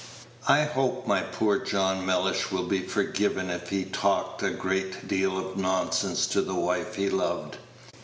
I hope my poor John Mellish will be forgiven if he talked a great deal of nonsense to the wife he loved.